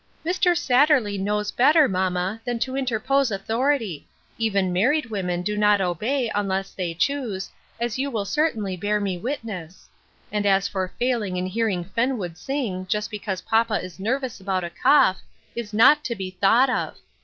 " Mr. Satterley knows better, mamma, than to interpose authority ; even married women do not obey, unless they choose, as you will certainly bear me witness ; and as for failing in hearing Fenwood sing, just because papa is nervous about a cough, is not to be thought of.